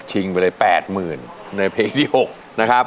ไปเลย๘๐๐๐ในเพลงที่๖นะครับ